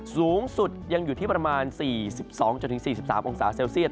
สูงสุดยังอยู่ที่ประมาณ๔๒๔๓องศาเซลเซียต